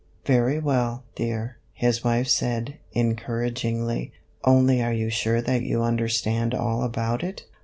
"Very well, dear," his wife said, encouragingly, "only are you sure that you understand all about it?"